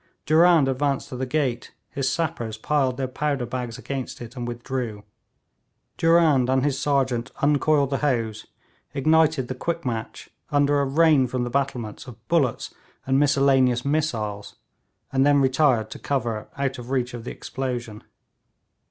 Durand advanced to the gate, his sappers piled their powder bags against it and withdrew; Durand and his sergeant uncoiled the hose, ignited the quick match under a rain from the battlements of bullets and miscellaneous missiles, and then retired to cover out of reach of the explosion.